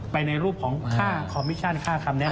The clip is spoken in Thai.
ในรูปของค่าคอมมิชชั่นค่าคำนี้